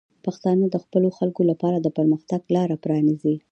پښتانه د خپلو خلکو لپاره د پرمختګ لاره پرانیزي.